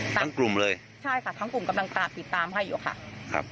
ทั้งกลุ่มเลยใช่ค่ะทั้งกลุ่มกำลังติดตามให้อยู่ค่ะครับ